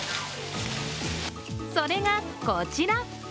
それがこちら。